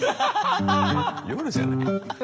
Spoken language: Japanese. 夜じゃない。